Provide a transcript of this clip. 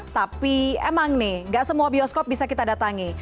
tapi emang nih gak semua bioskop bisa kita datangi